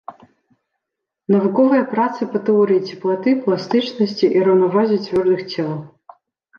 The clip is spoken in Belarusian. Навуковыя працы па тэорыі цеплаты, пластычнасці і раўнавазе цвёрдых цел.